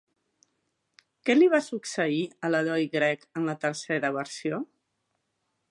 Què li va succeir a l'heroi grec en la tercera versió?